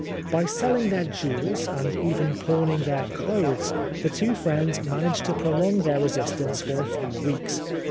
By selling their jewels, and even pawning their clothes, the two friends managed to prolong their re sistance for a few weeks.